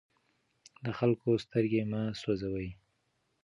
د خلکو سترګې مه سوځوئ.